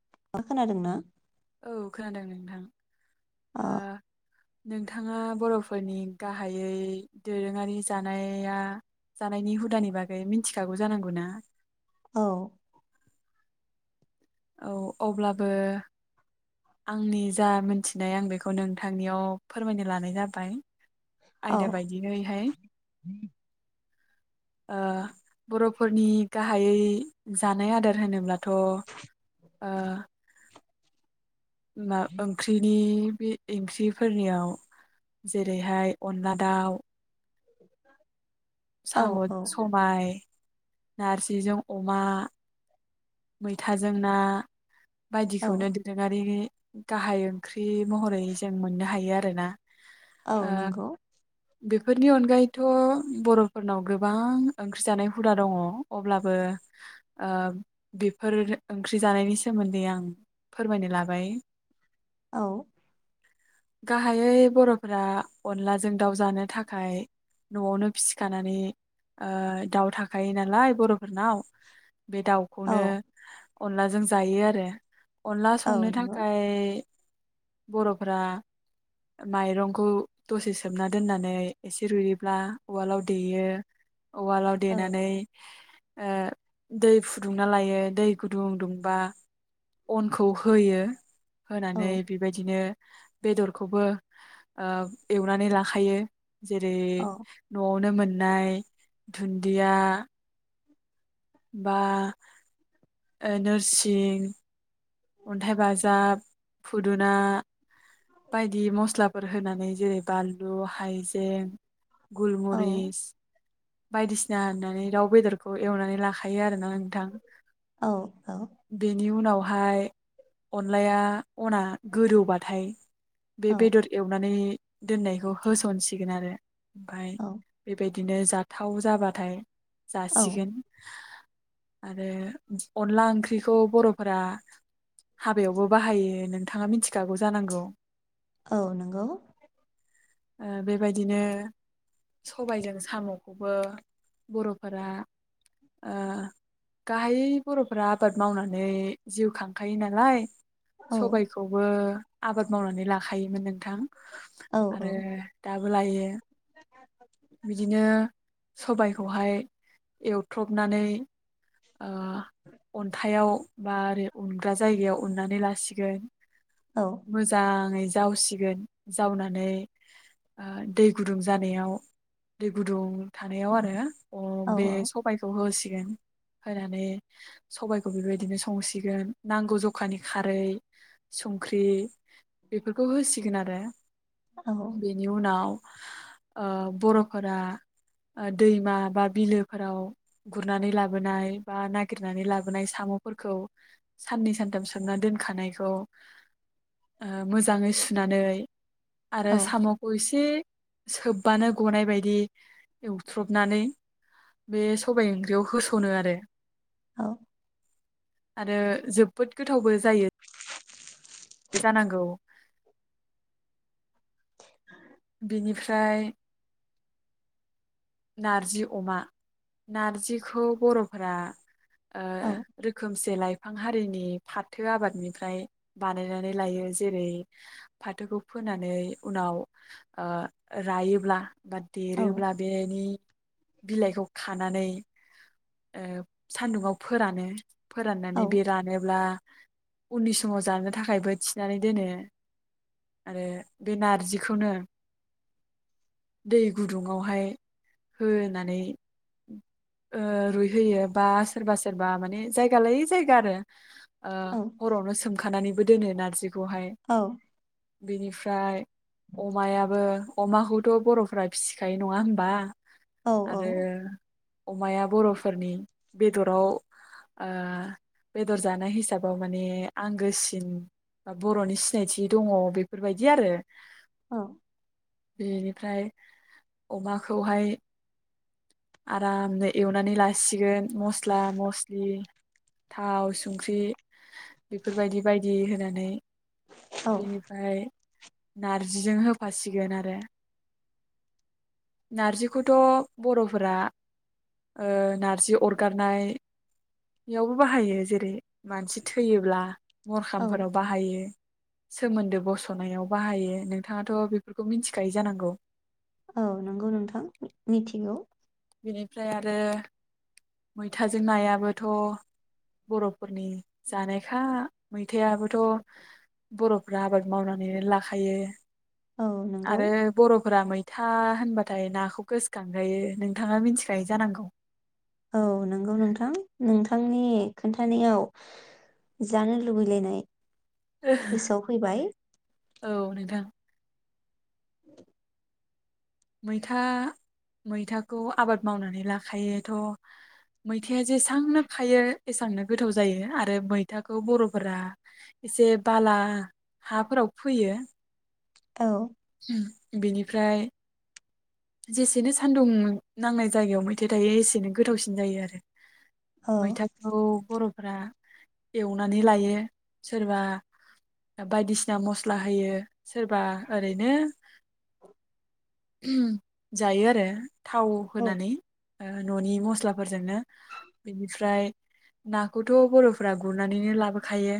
[unintelligible] खोनादोंना? औ खोनादों नोंथां। औ ओ नोंथाङा बरफोरनि गाहायै दोरोङारि जानाया जानायनि हुदानि बागै मिथिखागौ जानांगौ ना? औ औ अब्लाबो आंनि जा मोनथिनाय आं बेखौ नोंथांनियाव फोरमायनो लानाय जाबाय। औ आयदा बायदियैहाय ओ बरफोरनि गाहायै जानाय आदार होनोब्लाथ ओ बा ओंख्रिनि बे एंख्रिफोरनियाव जेरैहाय अनला दाउ [inaudible] औ साम सबाय नार्जिजों अमा मैथाजों ना औ बायदिखौनो दोरोङारि गाहाय ओंख्रि बे महरै जों मोननो हायो आरो [unintelligible] ना औ नंगौ। बेफोरनि अनगायैथ बरफोरनाव गोबां ओंख्रि जानाय हुदा दङ अब्लाबो ओ बिफोर ओंख्रि जानायनि सोमोन्दै आं फोरमायनो लाबाय। औ गाहायै बरफोरा अनलाजों दाउ जानो थाखाय नआवनो फिसिखानानै ओ दाउ थाखायो नालाय बरफोरनाव बे दाउ औ खौनो अनलाजों जायो आरो अनला औ संनो नंगौ थाखाय बरफोरा माइरंखौ दसे सोमना दोननानै एसे रुयोब्ला उवालाव देयो। उवालाव औ देनानै ओ दै फु दुंना लायो दै गुदुं दुंबा अनखौ होयो। औ होनानै बिबायदिनो बेदरखौबो ओ एवनानै लाखायो। जेरै औ नआवनो मोन नाय थुन्दिया बा ओ नोरसिं अन्थाइ बाजाब खुदुना। बायदि मसलाब फोर होनानै जेरै बानलु हायजे गुलमुरिस। बायदिसिना होननानै दाउबेदरखौ एवनानै लाखायोआरोना नोंथां। औ औ। [unintelligible] अनलाया अना गोदौबाथाय। बे औ बेदर एवनानै। दोननायखौ होसनसिगोनआरो। ओमफाय औ बेबायद बिदिनो जाथाव जाबाथाय औ जासिगोन ओह आरो अनला ओंख्रिखौ बरफोरा हाबायावबो बाहायो नोंथाङा मिथिखागौ जानांगौ। औ नोंगौ। ओह बेबायदिनो सबायजों सामखौबो बरफोरा ओह गाहाय बरफोरा आबाद मावनानै जिउखां औ [unintelligible] सबायखौबो आबाद मावनानै लाखायोमोनओं नोंथां औ आरो दाबोलायो बिदिनो सबायखौहाय एवथ्रबनानै ओ अन्थाइाव [unintelligible] उनग्रा जायगायाव उननानै लासिगोन। औ मोजांहै जावसिगोन जावनानै ओह दै गुदुं जानायाव दै गुदुं थानायावआरो। अ औ बे सबायखौ होस [unintelligible] होनानै सबायखौ बेबादिनो संसि गोन नांगौ जखानि खारै संख्रि बेफोरखौ होसिगोनआरो। औ बेनिउनाव। ओह बर'फोरा औह दैमा बा बिलोफोराव गुरनानै लाबोनाय बा नागिरनानै लाबोनाय सामफोरखौ। साननै सानथाम सोमना दोनखानायखौ ओह मोजाङै सुनानै। आरो सामखौ इसे सोबबानो गनायबायदि एवथ्रबनानै बे सबाय ओंख्रियाव होसनोआरो। औ। आरो जोबोद गोथावबोजायो। जानांगौ बिनिफ्राय नारजि अमा नारजिखौ बर'फोरा ओ रोखोमसे लाइ फां हारिनि फाथो आबादनिफ्राय बानायनानै लायो जेरै फाथोखौ फोनानै उनाव ओ रायोब्ला बा देरोब्ला बे ओ बिलाइखौ खानानै ओ सान्दुंङाव फोरानो। फोराननानै बे रानोब्ला उननि समाव जानो थाखायबो थिनानै दोनो आरो बे नारजिखौनो दै गुदुंङावहाय होनानै ओ रुइहोयो बा सोरबा सोरबा माने जायगा लायै जायगा आरो। ओ हरावनो सोमखानानैबो दोनो नारजिख खौहाय बेनिफ्राय अमायाबो अमाखौथ बर'फोरा फिसिखायो नंङा होनबा? आरो अमाया बर'फोरनि बेदराव ओ बेदर जानाय हिसाबाव माने आंगोसिन बा बर'नि सिनायथि दंङ बेफोरबायदि आरो। बेनिफ्राय अमा खौहाय आरामनो एवनानै ला सिगोन मस्ला-मस्लि थाव सुंख्रि बेफोरबायदि बायदि नानै बेनिफाय नारजिजों होफासिगोन आरो नारजि खौथ बर'फोरा ओ नारजि अरगारनाय यावबो बाहायो जेरै मानसि थैयोब्ला। मर औ खामफोराव बाहायो। सोमोन्दो बसनायाव बाहायो नोंथाङाथ बेफोरखौ मिन्थिखायो जानांगौ। औ नंगौ नोंथां मिथिगौ। बेनिफ्राय आरो मैथाजों नायाबोथ बर'फोरनि जानायखा मैथायाबोथ बरफ्रा आबाद मावनानैनो लाखायो। औ नंगौ। फोरा मैथा होनबाथाय नाखौ गोसखांखायो नों थाङा मिन्थिखायो जानांगौ औ नंगौ नोंथां नोंथां नि खोन्थानायाव जानो लुबैलायनाय गोसोआव फैबाय। औ नोंथां [inaudible] मैथा मैथाखौ आबाद मावनानै लाखायोथ' मैथाया जेसांनो खायो एसांनो गोथाव जायो आरो मैथाखौ बर'फोरा एसे बाला हाफोराव फोयो औ ओम बिनिफ्राय जेसेनो सान्दुं नांनाय जायगायाव मैथाया थायो एसेनो गोथावसिन जायो आरो औ मैथाखौ बर' फोरा एवनानै लायो सोरबा बायदिसिना मस्ला होयो सोरबा ओरैनो [unintelligible] जायो आरो थाव औ होनानै ओ न'नि मस्लाफोरजोंनो बेनिफ्राय नाखौथ' बर'फोरा गुरनानैनो लाबोखायो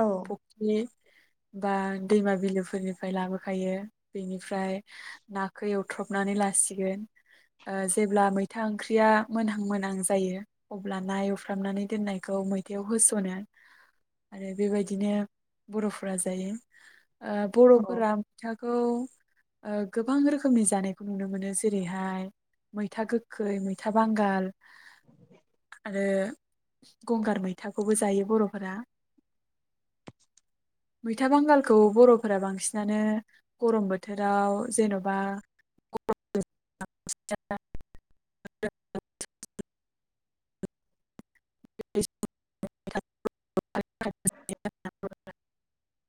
औ फखनि बा दैमा बिलोफोरनिफ्राय लाबोखायो बेनिफ्राय नाखौ एवथ्रबनानै लासिगोन ओ जेब्ला मैथा ओंख्रिया मोनहां मोनहां जायो अब्ला ना एवफ्रामनानै दोननायखौ मैथायाव होसनो आरो बेबायदिनो बर'फोरा जायो। ओ औ बर'फोरा मैथाखौ ओ गोबां रोखोमनि जानायखौ नुनो मोनो जेरैहाय मैथा गोखै मैथा बांगाल आरो गंगार मैथाखौबो जायो बर'फोरा मैथा बांगालखौ बर'फोरा बांसिनानो गरम बोथोराव जेनबा [unintelligible] [unintelligible]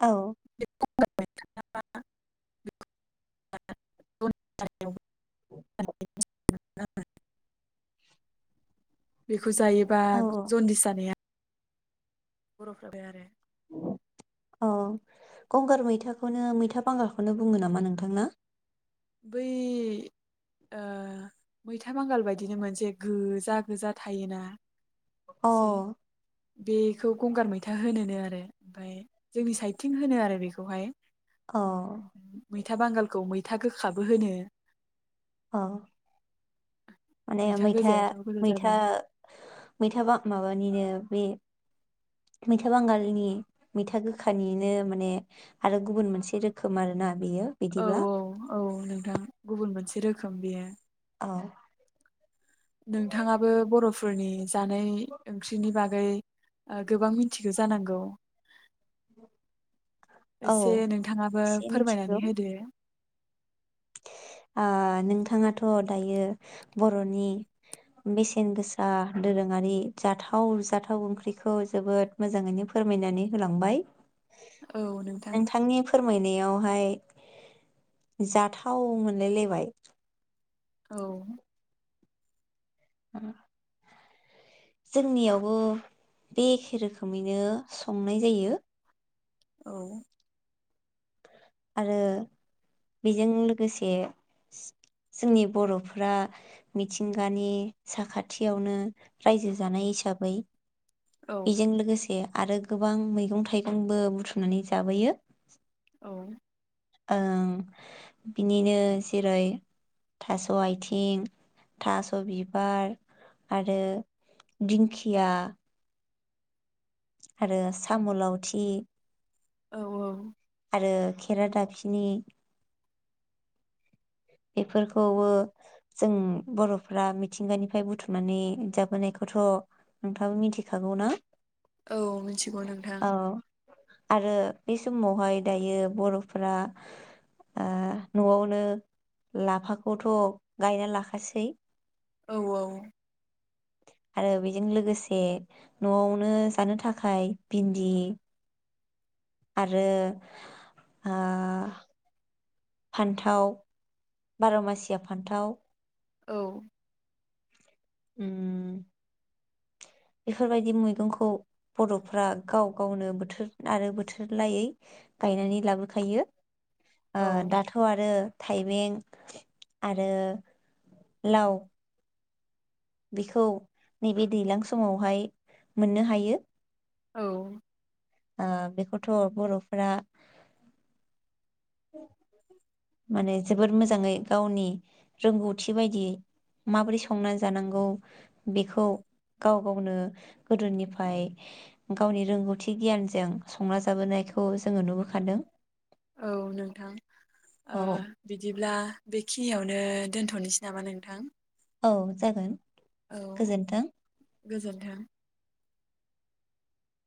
औ [unintelligible] बेखौ जायोबा औ जनदिस जानाया बर'फ्रा [inaudible] आरो औ गंगार मैथाखौनो मैथा बांगालखौनो बुङो नामा नोंथांना बै ओ मैथा बांगाल बायदिनो मोनसे गोजा गोजा थायोना अ एसे बेखौ गंगार मै था होनोनो आरो ओमफाय जोंनि साइडथिं होनो आरो बेखौहाय औ मैथा बांगालखौ मै था गोख खाबो होनो अ माने मैथा गोजायाथ' गोजा मैथा जाबाय मैथा बा माबानिनो बे मैथा बांगालनि मैथा गोखानिनो माने आरो गुबुन मोनसे रोखोम आरोना बेयो औ बिदिब्ला औ औ नोंथां गुबुन मोनसे रोखोम बेयो अ नोंथाङाबो बर'फ फोरनि जानाय ओंख्रिनि बागै ओ गोबां मिथिगो जानांगौ औ एसे नोंथाङाबो एसे मिथिगौ फोरमायनानै होदो ओ नोंथाङाथ दायो बरनि बेसेन गोसा दोरोङारि जाथाव जाथाव ओंख्रिखौ जोबोद मोजाङैनो फोरमायनानै होलांबाय औ नोंथां नेयावहाय जाथाव मोन नलायबाय औ ओ जोंनियावबो बे एखे रोखोमैनो संनाय जायो औ आरो बेजों लोगोसे जोंनि बरफोरा मिथिंगानि साखाथियावनो रायजो जानाय हिसाबै औ बेजों लोगोसे आरो गोबां मैगं थाइगंबो बुथुमनानै जाबोयो औ ओं बिनिनो जेरै थास आथिं थास बिबार आरो दिंखिया आरो साम लावथि औ औ आरो खेरा दाबसिनि बेफोरखौबो जों बरफ्रा मिथिंगानिफ्राय बुथुमनानै जाबोनायखौथ नोंथाङाबो मिथिखागौ ना औ मिथिगौ औ नोंथां आरो बे समावहाय दायो बरफोरा ओ नआवनो लाफाखौथ गायना लाखासै औ औ आरो बेजों लोगोसे नआवनो जानो थाखाय भिन्दि आरो आ फान्थाव बारमासिया फान्थाव औ ओम बेफोरबायदि मैगंखौ बरफ्रा गाव गावनो बोथोर आरो बोथोर लायै गायनानै लाबोखायो ओ औ दाथ आरो थाइबें आरो लाव बेखौ नैबे दैज्लां समावहाय मोननो हायो औ आ बेखौथ बरफ्रा माने जोबोद मोजाङै गावनि रोंगौथि बायदि माबोरै संना जानांगौ बेखौ गाव गावनो गोदोनिफ्राय गावनि रोंगौथि गियानजों संना जाबोनायखौ जोङो नुबोखादों औ नोंथां औ बिदिब्ला बेखि खिनियावनो दोनथनोसै नामा नोंथां औ जागोन औ गोजोन्थों गोजोन्थों